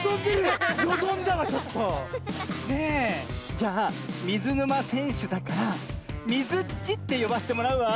じゃあみずぬませんしゅだからみずっちってよばせてもらうわ。